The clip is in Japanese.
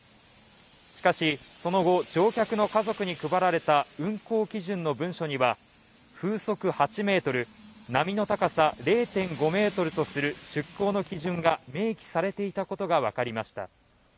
しかし、その後、乗客の家族に配られた運航基準の文書には風速８メートル波の高さ０．５ｍとする出航の基準が明記されていたことが分かりました。